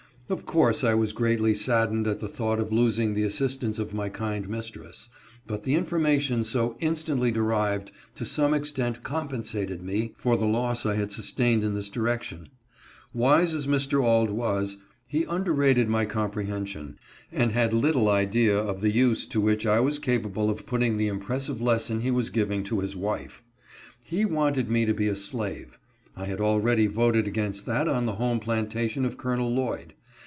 Of course I was greatly sad dened at the thought of losing the assistance of my kind mistress, but the information so instantly derived, to some extent compensated me for the loss I had sustained in this direction. "Wise as Mr. Auld was, he underrated my comprehension, and had little idea of the use to which I was capable of putting the impressive lesson he was giv 98 master Hugh's exposition of slavery. ing to his wife. He wanted rne to be a slave ; I had al ready voted against that on the home plantation of Col. Lloyd.